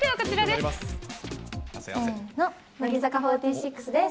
せーの、乃木坂４６です。